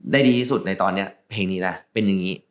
ดีที่สุดในตอนนี้เพลงนี้ล่ะเป็นอย่างนี้